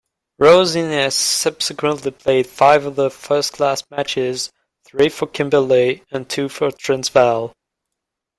Rose-Innes subsequently played five other first-class matches, three for Kimberley and two for Transvaal.